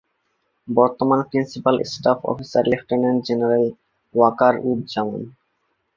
বর্তমান principal staff officer lieutenant general Waker-uz-Zaman.